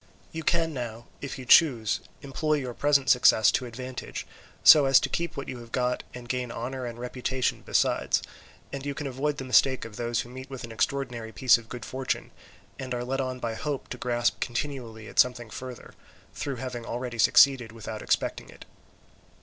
You can now, if you choose, employ your present success to advantage, so as to keep what you have got and gain honour and reputation besides, and you can avoid the mistake of those who meet with an extraordinary piece of good fortune, and are led on by hope to grasp continually at something further, through having already succeeded without expecting it.